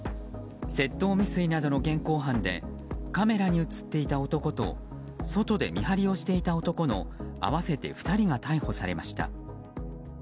窃盗未遂などの現行犯でカメラに映っていた男と外で見張りをしていた男の合わせて２人が逮捕されました。